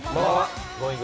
Ｇｏｉｎｇ！